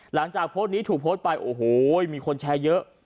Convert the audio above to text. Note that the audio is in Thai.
หลังจากโพสต์นี้ถูกโพสต์ไปโอ้โหมีคนแชร์เยอะ